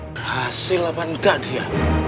berhasil apa enggak dia